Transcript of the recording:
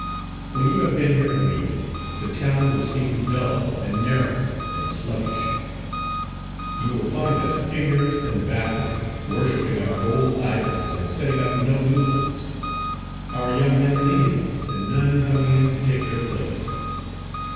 When you have been here a week, the town will seem dull, and narrow, and sluggish. You will find us ignorant and backward, worshipping our old idols, and setting up no new ones; our young men leaving us, and none coming in to take their place.